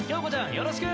よろしく。